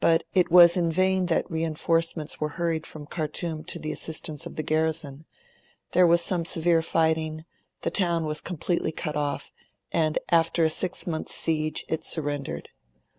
It was in vain that reinforcements were hurried from Khartoum to the assistance of the garrison: there was some severe fighting; the town was completely cut off; and, after a six months' siege, it surrendered.